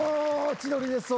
千鳥です。